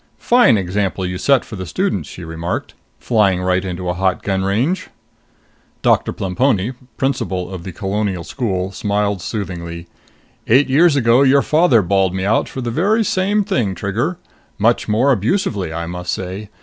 "Fine example you set the students!" she remarked. "Flying right into a hot gun range!" Doctor Plemponi, principal of the Colonial School, smiled soothingly. "Eight years ago, your father bawled me out for the very same thing, Trigger! Much more abusively, I must say.